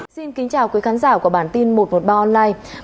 xin kính chào quý khán giả của bản tin một trăm một mươi ba online